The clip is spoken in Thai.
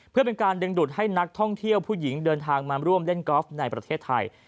เพื่อเป็นการดึงดูดให้นักท่องเที่ยวผู้หญิงเดินทางมาร่วมเล่นกอล์ฟในประเทศไทย